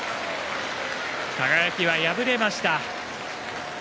輝は敗れました。